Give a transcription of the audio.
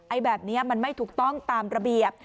แบบนี้มันไม่ถูกต้องตามระเบียบ